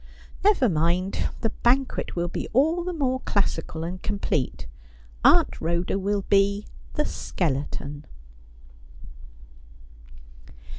Never mind. The banquet will be all the more classical and complete. Aunt Rhoda will be the skeleton.'